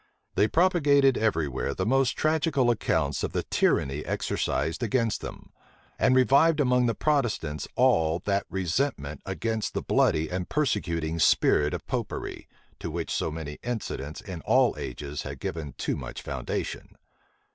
They propagated every where the most tragical accounts of the tyranny exercised against them; and revived among the Protestants all that resentment against the bloody and persecuting spirit of Popery, to which so many incidents in all ages had given too much foundation.